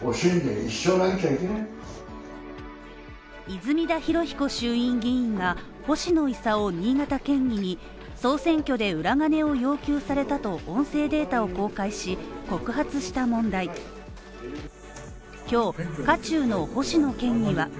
泉田裕彦衆院議員が星野伊佐夫新潟県議に、総選挙で裏金を要求されたと、音声データを公開し、告発した問題です。